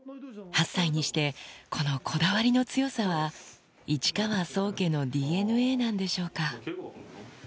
８歳にしてこのこだわりの強さは、市川宗家のＤＮＡなんでしょうか。